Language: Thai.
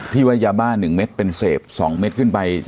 ว่ายาบ้า๑เม็ดเป็นเสพ๒เม็ดขึ้นไป